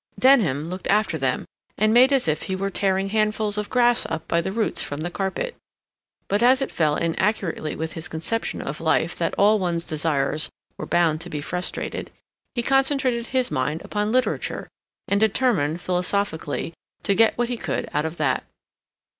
Denham looked after them, and made as if he were tearing handfuls of grass up by the roots from the carpet. But as it fell in accurately with his conception of life that all one's desires were bound to be frustrated, he concentrated his mind upon literature, and determined, philosophically, to get what he could out of that.